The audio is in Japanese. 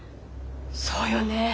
そうよね。